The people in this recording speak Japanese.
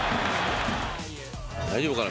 大丈夫かな。